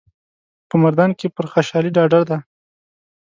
په مردان کې پر بخشالي ډاډه ده.